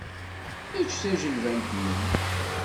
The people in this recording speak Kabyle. Ečč tajilbant-nnem.